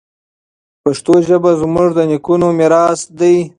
پښتو ژبه زموږ د نیکونو میراث دی.